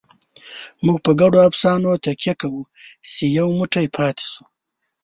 موږ په ګډو افسانو تکیه کوو، چې یو موټی پاتې شو.